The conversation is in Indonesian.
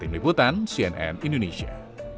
tim liputan cnn indonesia